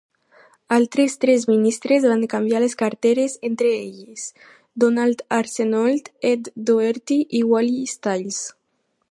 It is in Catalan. Altres tres ministres van canviar les carteres, entre elles: Donald Arseneault, Ed Doherty i Wally Stiles.